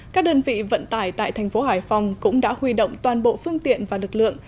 các đơn vị vận tải tại thành phố hải phòng cũng đã huy động toàn bộ phương tiện và lực lượng